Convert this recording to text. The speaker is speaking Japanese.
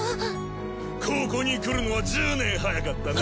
ここに来るのは１０年早かったな。